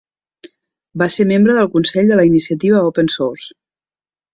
Va ser membre del Consell de la iniciativa Open Source.